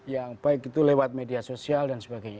yang baik itu lewat media sosial dan sebagainya